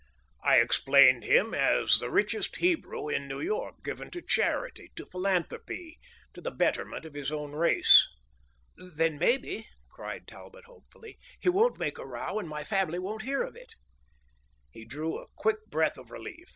I explained him as the richest Hebrew in New York; given to charity, to philanthropy, to the betterment of his own race. "Then maybe," cried Talbot hopefully, "he won't make a row, and my family won't hear of it!" He drew a quick breath of relief.